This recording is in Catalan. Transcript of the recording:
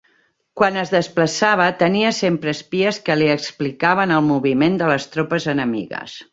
Quan es desplaçava, tenia sempre espies que li explicaven el moviment de les tropes enemigues.